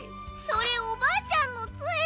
それおばあちゃんのつえ！